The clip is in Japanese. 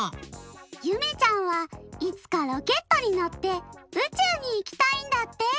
ゆめちゃんはいつかロケットにのってうちゅうにいきたいんだって！